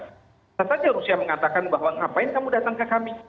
bisa saja rusia mengatakan bahwa ngapain kamu datang ke kami